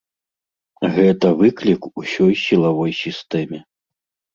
Гэта выклік усёй сілавой сістэме.